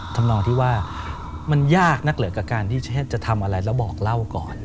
ทำนองที่ว่ามันยากนักเหลือกับการที่จะทำอะไรแล้วบอกเล่าก่อน